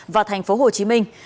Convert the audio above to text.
và thành phố hồ chí minh